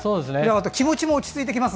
気持ちも落ち着いてきます。